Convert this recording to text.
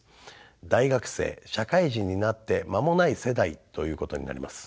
大学生社会人になって間もない世代ということになります。